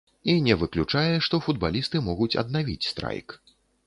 І не выключае, што футбалісты могуць аднавіць страйк.